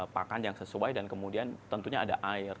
pakan yang sesuai dan kemudian tentunya ada air